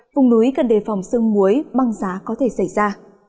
vùng núi cần đề phòng sương muối băng giá có thể xảy ra